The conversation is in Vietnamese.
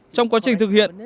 trong quá trình thực hiện